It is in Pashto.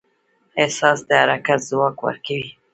احساس د حرکت ځواک ورکوي.